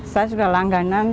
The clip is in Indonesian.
saya sudah langganan